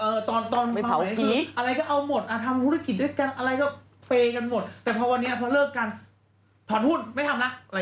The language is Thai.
เปย์กันหมดแต่พอวันนี้พอเลิกการถอนหุ้นไม่ทำละ